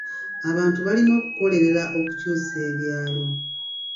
Abantu balina okukolerera okukyusa ebyalo.